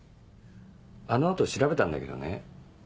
あの後調べたんだけどね